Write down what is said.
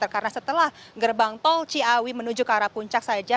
karena setelah gerbang tol ciawi menuju ke arah puncak saja